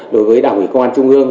đối với đảng ủy công an trung ương